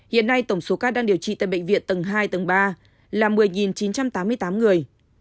hiện nay tổng số ca đang điều trị tại bệnh viện tầng hai tầng ba là một mươi chín trăm tám mươi tám người